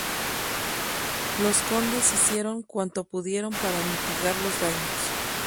Los condes hicieron cuanto pudieron para mitigar los daños.